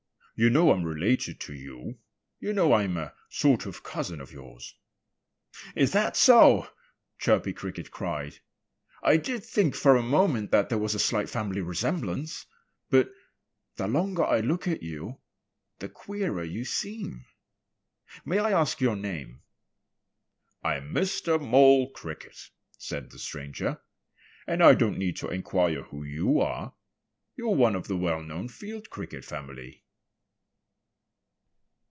"You know I'm related to you. You know I'm a sort of cousin of yours." "Is that so?" Chirpy Cricket cried. "I did think for a moment that there was a slight family resemblance. But the longer I look at you the queerer you seem. May I ask your name?" "I'm Mr. Mole Cricket," said the stranger. "And I don't need to inquire who you are. You're one of the well known Field Cricket family."